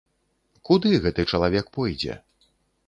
Куды гэты чалавек пойдзе?